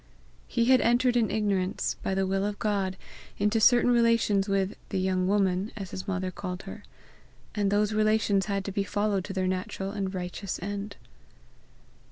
He had entered in ignorance, by the will of God, into certain relations with "the young woman," as his mother called her, and those relations had to be followed to their natural and righteous end.